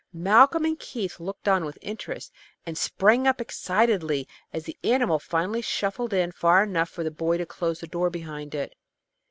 Malcolm and Keith looked on with interest, and sprang up excitedly as the animal finally shuffled in far enough for the boy to close the door behind it.